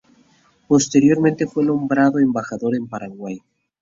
Posteriormente fue nombrado embajador en Paraguay.